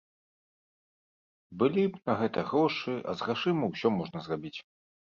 Былі б на гэта грошы, а з грашыма ўсё можна зрабіць.